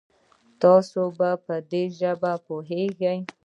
تاسو په دي ژبه پوهږئ؟